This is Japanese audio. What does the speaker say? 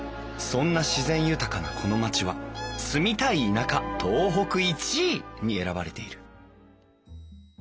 そんな自然豊かなこの町は住みたい田舎東北１位に選ばれている。